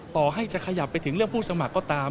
ต่อให้จะขยับไปถึงเรื่องผู้สมัครก็ตาม